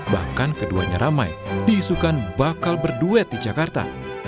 bahkan keduanya ramai diisukan bakal berduet di jakarta